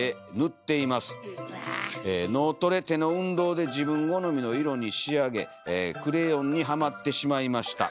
「脳トレ手の運動で自分好みの色に仕上げクレヨンにはまってしまいました。